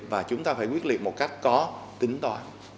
và chúng ta phải quyết liệt một cách có tính toán